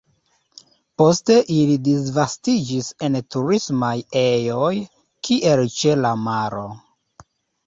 Poste ili disvastiĝis en turismaj ejoj, kiel ĉe la maro.